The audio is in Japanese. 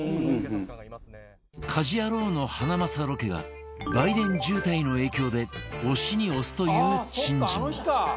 『家事ヤロウ！！！』のハナマサロケがバイデン渋滞の影響で押しに押すという珍事も